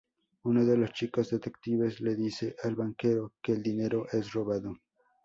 Uno de los chicos detectives le dice al banquero que el dinero es robado.